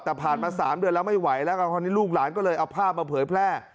แต่ผ่านมา๓เดือนแล้วไม่ไหวแล้วก็คราวนี้ลูกหลานก็เลยเอาภาพมาเผยแพร่